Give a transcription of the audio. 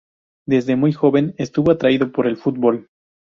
Desde muy joven estuvo atraído por el fútbol.